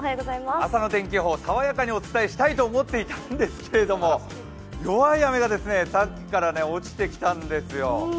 朝の天気予報、さわやかにお伝えしたいと思っていたんですけれども、弱い雨がさっきから落ちてきたんですよ。